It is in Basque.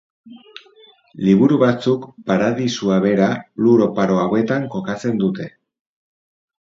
Liburu batzuk paradisua bera lur oparo hauetan kokatzen dute.